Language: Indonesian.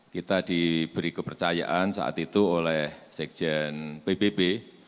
kita diberi kepercayaan saat itu oleh sekjen pbb